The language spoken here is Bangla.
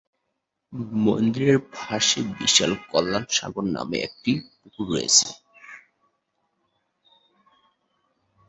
মন্দিরে পাশে বিশাল কল্যাণ সাগর নামে একটি পুকুর রয়েছে।